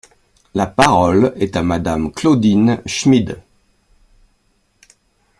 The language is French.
La parole est à Madame Claudine Schmid.